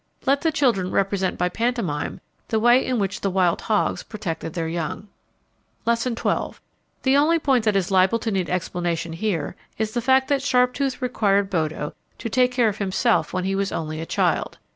Let the children represent by pantomime the way in which the wild hogs protected their young. Lesson XII. The only point that is liable to need explanation here is the fact that Sharptooth required Bodo to take care of himself when he was only a child.